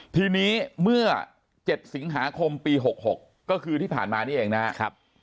ทีนี้เมื่อ๗สิงหาคมปี๖๖ก็คือที่ผ่านมานี่เองนะครับ